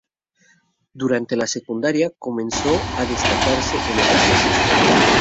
Durante la secundaria comenzó a destacarse en el baloncesto.